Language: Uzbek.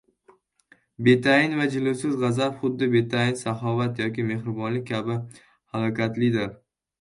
Betayin va jilovsiz g‘azab xuddi betayin saxovat yoki mehribonlik kabi halokatlidir.